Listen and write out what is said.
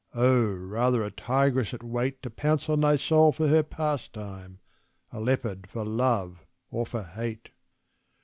Oh, rather a tigress at wait To pounce on thy soul for her pastime a leopard for love or for hate.